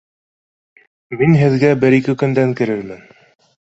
— Мин һеҙгә бер-ике көндән керермен